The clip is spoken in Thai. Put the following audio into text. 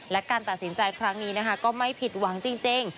และการตัดสินใจครั้งนี้นะคะก็ไม่ผิดหวังจริง